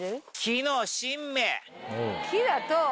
木だと。